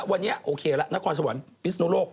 วันนี้โอเคละนครสวรรค์พิศนุโลก